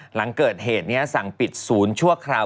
หลังเกิดเหตุนี้สั่งปิดศูนย์ชั่วคราว